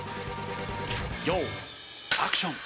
用意アクション。